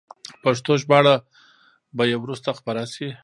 پښتو ژباړه به یې وروسته خپره شي.